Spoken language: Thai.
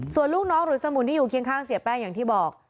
ส่วนลูกน้องหรือสมุนที่อยู่เคียงข้างเสียแป้งอย่างที่บอก